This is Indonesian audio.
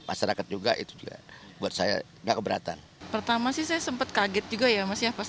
masyarakat juga itu juga buat saya enggak keberatan pertama sih saya sempat kaget juga ya masih pas